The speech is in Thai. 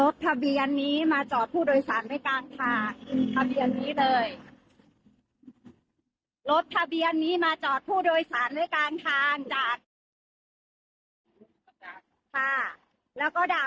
ทะเบียนนี้นะคะ